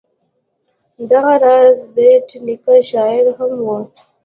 دغه راز بېټ نیکه شاعر هم و.